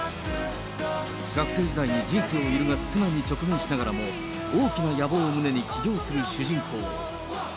学生時代に人生を揺るがす苦難に直面しながらも、多くの野望を胸に、起業する主人公。